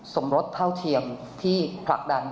สมรสเท่าเทียมที่ผลักดัน